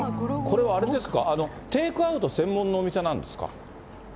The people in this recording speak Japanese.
これはあれですか、テイクアウト専門のお店なんですか。